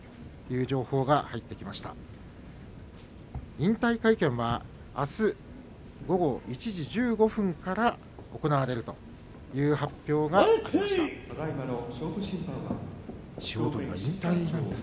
引退会見はあす午後１時１５分から行われるという発表です。